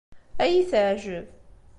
Ad iyi-teɛjeb.